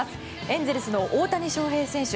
エンゼルスの大谷翔平選手